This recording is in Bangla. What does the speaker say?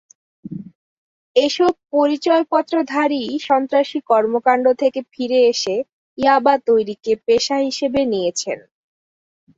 এসব পরিচয়পত্রধারীই সন্ত্রাসী কর্মকাণ্ড থেকে ফিরে এসে ইয়াবা তৈরিকে পেশা হিসেবে নিয়েছেন।